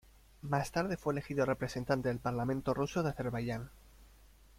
Más tarde fue elegido representante del Parlamento Ruso de Azerbaiyán.